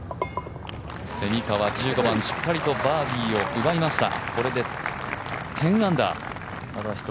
蝉川、１５番、しっかりとバーディーを奪いました。